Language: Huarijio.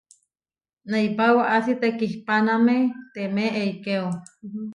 Neipá waʼási tekihpáname temé eikéo.